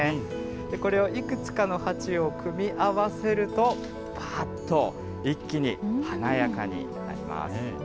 これをいくつかの鉢を組み合わせると、ぱっと、一気に華やかになります。